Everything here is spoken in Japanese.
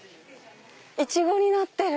イチゴになってる！